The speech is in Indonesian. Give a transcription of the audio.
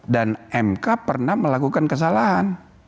dan mk pernah melakukan kesalahan